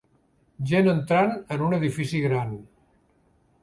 Gent entrant en un edifici gran.